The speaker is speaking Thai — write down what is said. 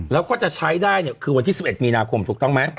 แล้วก็จะใช้ได้เนี่ยคือวันที่๑๑มีนาคมถูกต้องไหม